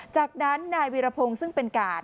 จากนั้นนายวีรพงศ์ซึ่งเป็นกาด